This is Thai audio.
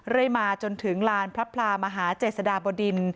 เล่ามาจนถึงลานพระพราหมาธระเจสตราบดิน